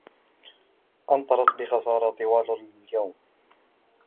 أمطرت بغزارة طوال اليوم